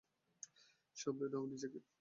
সামলে নাও নিজেকে।